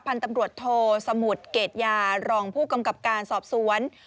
พันธุ์ตำรวจโทสมุทรเกรดยารองผู้กำกับการสอบสวน